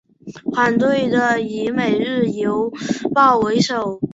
反对的以每日邮报为首。